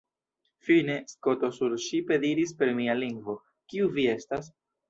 Fine, Skoto surŝipe diris per mia lingvo, “Kiu vi estas? »